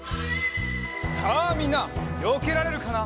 さあみんなよけられるかな？